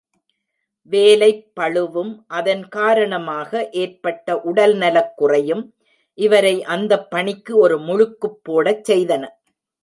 வேலைப்பளுவும் அதன் காரணமாக ஏற்பட்ட உடல் நலக்குறையும் இவரை அந்தப் பணிக்கு ஒரு முழுக்குப் போடச் செய்தன.